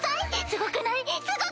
すごくない？